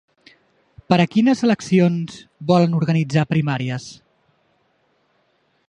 Per a quines eleccions volen organitzar primàries?